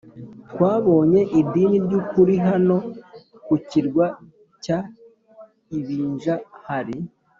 twabonye idini ry ukuri Hano ku kirwa cya Ibinja hari